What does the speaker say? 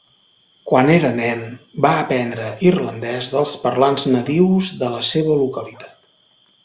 Quan era nen va aprendre irlandès dels parlants nadius de la seva localitat.